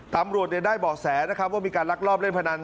ตำรวจได้เบาะแสนะครับว่ามีการลักลอบเล่นพนัน